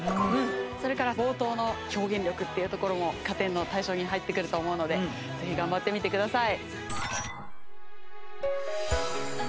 それから冒頭の表現力っていうところも加点の対象に入ってくると思うのでぜひ頑張ってみてください。